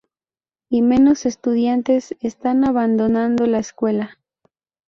Y menos estudiantes están abandonando la escuela.